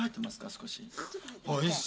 少し。